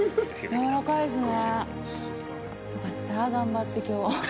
やわらかいですね。